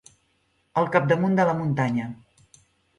El capdamunt de la muntanya.